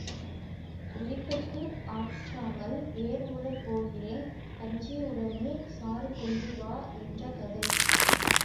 எரிப்புக்கு ஆற்றாமல் ஏர் உழப் போகிறேன் கஞ்சியுடனே சாறு கொண்டு வா என்ற கதை.